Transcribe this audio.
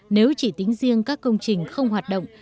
nếu chỉ tính riêng các công trình không hoạt động